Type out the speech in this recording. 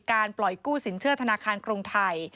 ปล่อยกู้สินเชื่อธนาคารกรุงไทย